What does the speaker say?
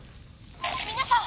皆さん！